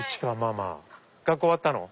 学校終わったの？